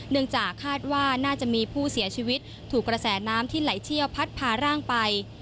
เนื่องจากคาดว่าน่าจะมีผู้เสียชีวิตถูกกระแสน้ำที่ไหลเชี่ยวพัดพาร่างไป